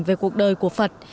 về cuộc đời của phật